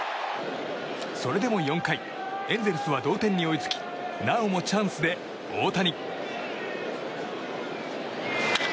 それでも４回、エンゼルスは同点に追いつきなおもチャンスで大谷。